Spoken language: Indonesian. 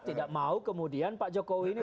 tidak mau kemudian pak jokowi ini